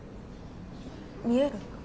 見える？